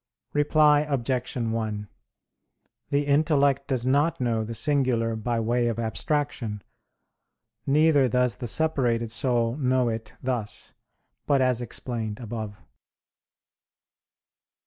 Reply Obj. 1: The intellect does not know the singular by way of abstraction; neither does the separated soul know it thus; but as explained above.